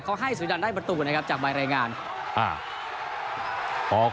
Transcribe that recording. เขาให้สุริยันได้ประตูนะครับจากใบรายงานอ่า